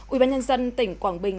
ủy ban nhân dân tỉnh quảng bình